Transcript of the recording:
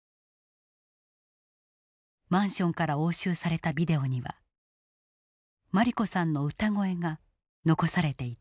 マンションから押収されたビデオには茉莉子さんの歌声が残されていた。